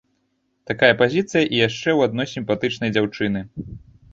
Такая пазіцыя і яшчэ ў адной сімпатычнай дзяўчыны!